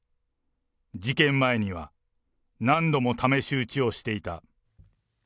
事件前には何度も試し撃ちをしていた。